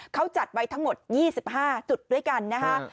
เขาจัดไว้ทั้งหมด๒๕จุดด้วยกันนะคะ